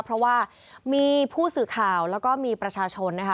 เพราะว่ามีผู้สื่อข่าวแล้วก็มีประชาชนนะคะ